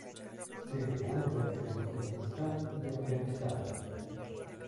Se encuentra en el Turkmenistán y Afganistán.